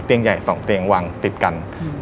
ใหญ่๒เตียงวางติดกัน